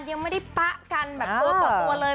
ยังไม่ได้ปะกันแบบตัวเลย